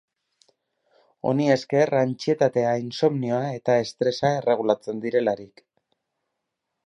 Honi esker, antsietatea, insomnioa eta estresa erregulatzen direlarik.